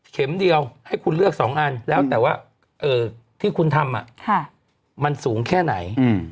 เดียวให้คุณเลือก๒อันแล้วแต่ว่าที่คุณทำมันสูงแค่ไหน